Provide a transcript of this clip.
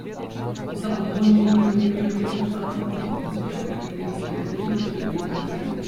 Унта колонин вӗренӳпе консультаци пунктӗнче вӗренекенсем хӑйсен пӗлӗвне тӗрӗсленӗ.